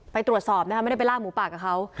ไปตรวจสอบนะคะไม่ได้ไปลากหมูปากกับเขา